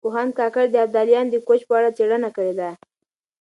پوهاند کاکړ د ابدالیانو د کوچ په اړه څېړنه کړې ده.